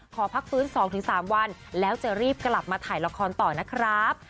ขอพักฟื้น๒๓วันแล้วจะรีบกลับมาถ่ายละครต่อนะครับ